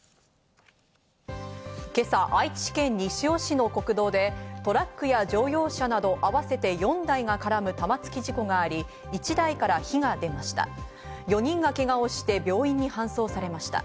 今朝、愛知県西尾市の国道でトラックや乗用車など合わせて４台が絡む玉突き事故があり、１台から火が出ました。